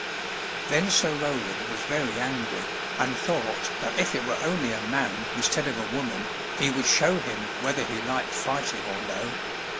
Then Sir Roland was very angry, and thought that if it were only a man instead of a woman, he would show him whether he liked fighting or no.